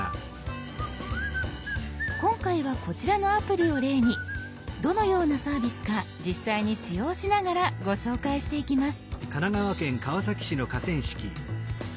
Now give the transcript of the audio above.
今回はこちらのアプリを例にどのようなサービスか実際に使用しながらご紹介していきます。